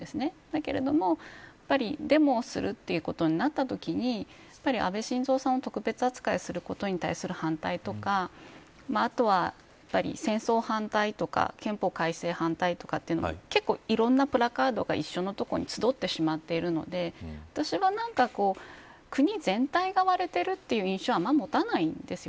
だけれども、デモをするということになったときにやっぱり安倍晋三さんを特別扱いすることに対する反対とかあとは、戦争反対とか憲法改正反対とかっていうのは結構いろんなプラカードが一緒のところに集まってしまっているので私は国全体が割れているという印象はあまり持たないんです。